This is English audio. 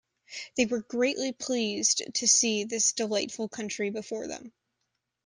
They were greatly pleased to see this delightful country before them.